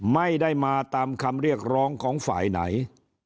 ไม่ได้มาตามคำเรียกร้องของฝ่ายไหน